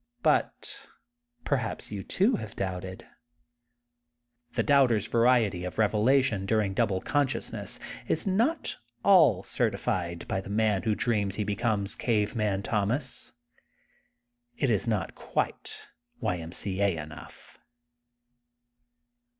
But perhaps you too have doubted. The Doubter's variety of revelation during double consciousness is not all certified by the man who dreams he becomes Cave Man Thomas. It is not quite T. M. C. A. enough.